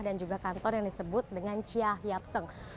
dan juga kantor yang disebut dengan cha hyap seng